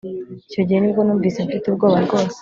Icyo gihe ni bwo numvise mfite ubwoba rwose